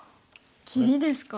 切りですか。